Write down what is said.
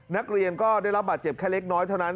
นักเรียนก็ได้รับบาดเจ็บแค่เล็กน้อยเท่านั้น